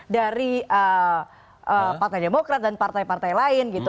dari partai demokrat dan partai partai lain gitu